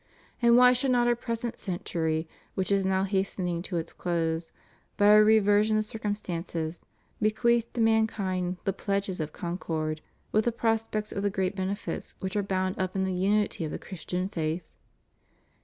And why should not our present century, which is now hastening to its close, by a reversion of circumstances bequeath to mankind the pledges of con cord, with the prospects of the great benefits which are bound up in the unity of the Christian faith?